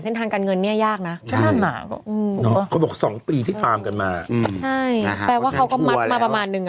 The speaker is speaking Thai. นะครับ